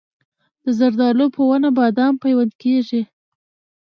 د زردالو په ونه بادام پیوند کیږي؟